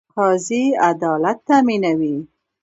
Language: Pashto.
قاضي عدالت تامینوي